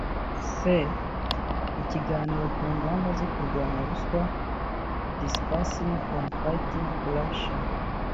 c) Ikiganiro ku ngamba zo kurwanya ruswa (Discussion on Fighting Corruption)